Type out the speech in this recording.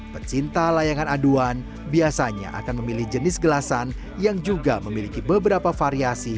pecinta layangan aduan biasanya akan memilih jenis gelasan yang juga memiliki beberapa variasi